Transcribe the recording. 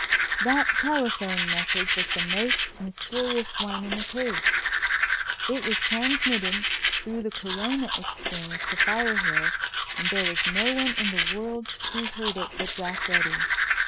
That telephone message was the most mysterious one in the case. It was transmitted through the Corona Exchange to Firehill and there was no one in the world who heard it but Jack Reddy.